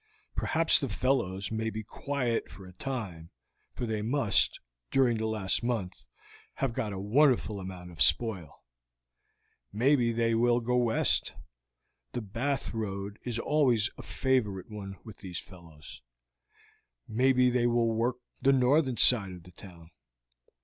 Perhaps the fellows may be quiet for a time, for they must, during the last month, have got a wonderful amount of spoil. Maybe they will go west the Bath road is always a favorite one with these fellows maybe they will work the northern side of the town.